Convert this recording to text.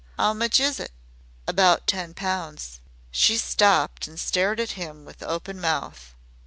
"'Ow much is it?" "About ten pounds." She stopped and stared at him with open mouth.